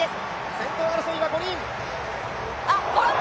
先頭争いは５人。